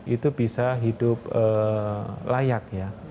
itu bisa hidup layak